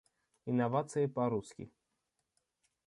Инновации по-русски